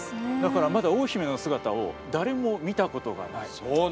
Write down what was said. だから、まだ大姫の姿誰も見たことがない。